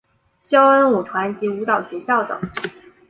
萧恩舞团及舞蹈学校等。